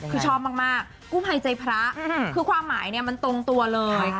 คือชอบมากกู้ภัยใจพระคือความหมายเนี่ยมันตรงตัวเลย